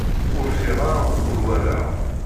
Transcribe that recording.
Ur ffiɣeɣ, ur walaɣ.